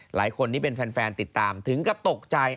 หลายคนที่เป็นแฟนติดตามถึงกับตกใจ